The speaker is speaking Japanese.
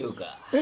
え？